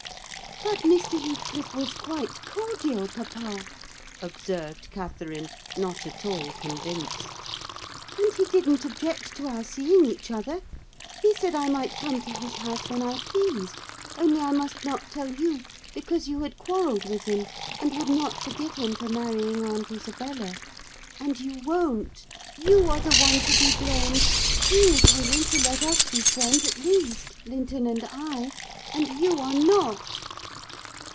"But Mr. Heathcliff was quite cordial, papa," observed Catherine, not at all convinced; "and he didn't object to our seeing each other: he said I might come to his house when I pleased; only I must not tell you, because you had quarrelled with him, and would not forgive him for marrying aunt Isabella. And you won't. You are the one to be blamed: he is willing to let us be friends, at least; Linton and I; and you are not."